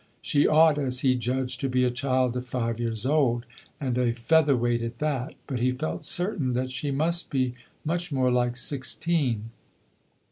She ought, as he judged, to be a child of five years old, "and a feather weight at that"; but he felt certain that she must be "much more like sixteen."